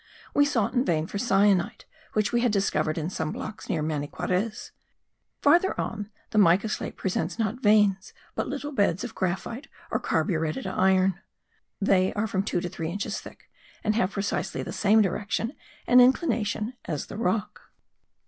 We sought in vain for cyanite, which we had discovered in some blocks near Maniquarez. Farther on the mica state presents not veins, but little beds of graphite or carburetted iron. They are from two to three inches thick and have precisely the same direction and inclination as the rock.